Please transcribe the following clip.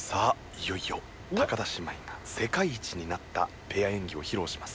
いよいよ田姉妹が世界一になったペア演技を披露します。